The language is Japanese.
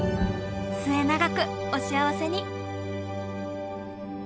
末永くお幸せに！